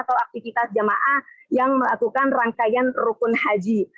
atau aktivitas jamaah yang melakukan rangkaian rukun haji